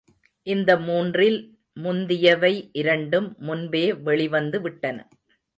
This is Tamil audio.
இந்த மூன்றில் முந்தியவை இரண்டும் முன்பே வெளிவந்து விட்டன.